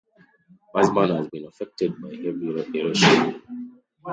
Bazman has been affected by heavy erosion.